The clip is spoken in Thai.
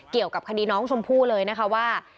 เกี่ยวกับคดีน้องชมพู่เลยนะคะว่า